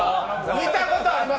見たことあります？